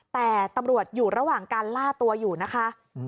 แต่ตำรวจอยู่ระหว่างการล่าตัวอยู่นะคะ